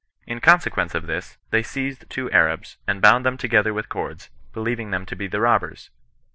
In consequence of this, they seized two Arabs, and bound them together with cords, believing them to be the robbers.